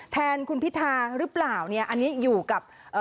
แทนคุณพิธาหรือเปล่าเนี่ยอันนี้อยู่กับเอ่อ